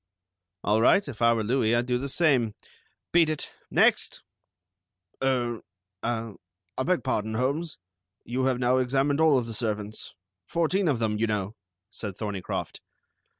"All right. If I were Louis I'd do the same. Beat it. Next!" "Er, ah, I beg pardon, Holmes, you have now examined all of the servants. Fourteen of them, you know," said Thorneycroft.